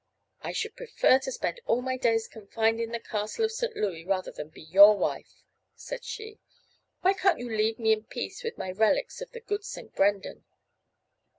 "I should prefer to spend all my days confined in the castle of St. Louis rather than be your wife," said she. "Why can't you leave me in peace with my relics of the good St. Brendan!"